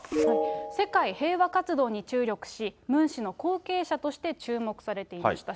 世界平和活動に注力し、ムン氏の後継者として注目されていました。